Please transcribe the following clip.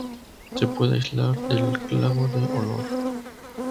Se puede aislar del clavo de olor.